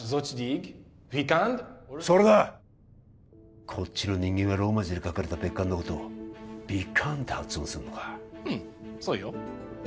それだこっちの人間はローマ字で書かれた別館のことをヴィカァンって発音するのかうんそうよ